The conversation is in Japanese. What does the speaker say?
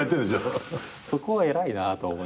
そこは偉いなとは思いますけど。